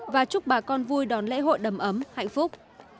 và chúc bà con vui đón lễ hội đầm ấm hạnh phúc